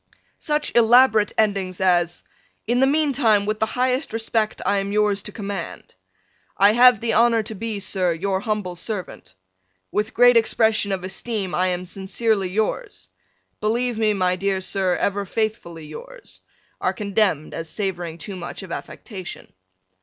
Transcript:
Such elaborate endings as "In the meantime with the highest respect, I am yours to command," "I have the honor to be, Sir, Your humble Servant," "With great expression of esteem, I am Sincerely yours," "Believe me, my dear Sir, Ever faithfully yours," are condemned as savoring too much of affectation.